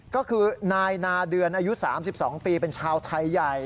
ก็คือนายนาเดือนอายุ๓๒ปีเป็นชาวไทยใหญ่